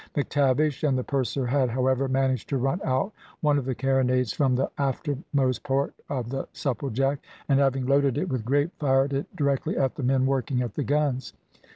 McTavish and the purser had, however, managed to run out one of the carronades from the aftermost port of the Supplejack, and having loaded it with grape, fired it directly at the men working at the guns.